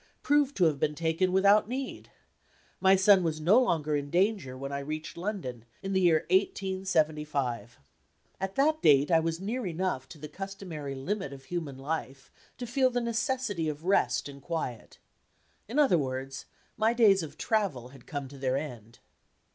proved to have been taken without need. My son was no longer in danger, when I reached London in the year 1875. At that date I was near enough to the customary limit of human life to feel the necessity of rest and quiet. In other words, my days of travel had come to their end.